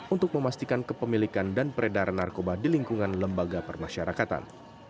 untuk memastikan kepemilikan dan peredaran narkoba di lingkungan lembaga permasyarakatan